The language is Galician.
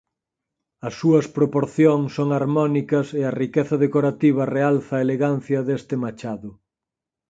As súas proporción son harmónicas e a riqueza decorativa realza a elegancia deste machado.